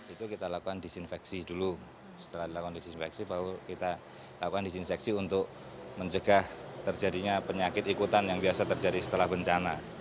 itu kita lakukan disinfeksi dulu setelah dilakukan disinfeksi baru kita lakukan disinfeksi untuk mencegah terjadinya penyakit ikutan yang biasa terjadi setelah bencana